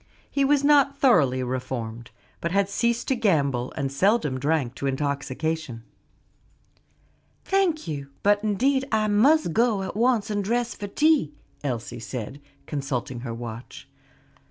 He was not thoroughly reformed, but had ceased to gamble and seldom drank to intoxication. "Thank you; but indeed I must go at once and dress for tea," Elsie said, consulting her watch.